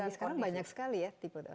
funk rnb sekarang banyak sekali ya